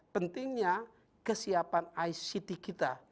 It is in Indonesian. pentingnya kesiapan ict kita